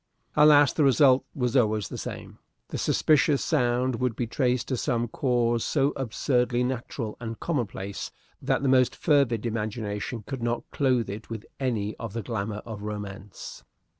Alas, the result was always the same! The suspicious sound would be traced to some cause so absurdly natural and commonplace that the most fervid imagination could not clothe it with any of the glamour of romance.